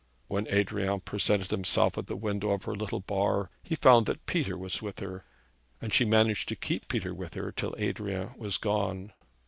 When Adrian presented himself at the window of her little bar, he found that Peter was with her, and she managed to keep Peter with her till Adrian was gone.